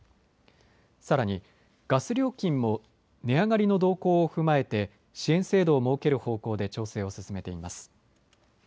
さらにガス料金も値上がりの動向を踏まえて支援制度を設ける方向で調整を進めています。